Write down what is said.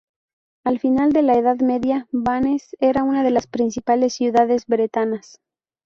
Al final de la Edad Media, Vannes era una de las principales ciudades bretonas.